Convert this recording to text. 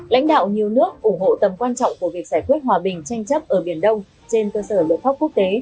lãnh đạo nhiều nước ủng hộ tầm quan trọng của việc giải quyết hòa bình tranh chấp ở biển đông trên cơ sở luật pháp quốc tế